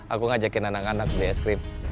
aku ngajakin anak anak di es krim